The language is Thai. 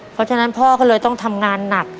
เพราะฉะนั้นพ่อก็เลยต้องทำงานหนัก